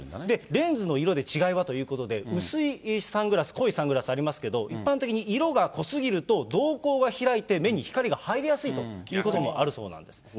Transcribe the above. レンズの色で違いはということで、薄いサングラス、濃いサングラスありますけど、一般的に色が濃すぎると瞳孔が開いて目に光が入りやすいということもあるそうなんです。